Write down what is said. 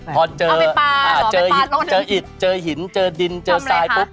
พอเจอเจออิดเจอหินเจอดินเจอทรายปุ๊บ